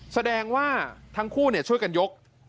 แสดงว่าทั้งคู่ช่วยกันยก